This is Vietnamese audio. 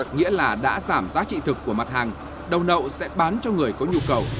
nghĩa là đã giảm giá trị thực của mặt hàng đầu nậu sẽ bán cho người có nhu cầu